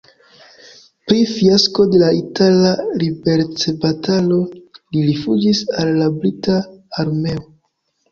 Pro fiasko de la itala liberecbatalo li rifuĝis al la brita armeo.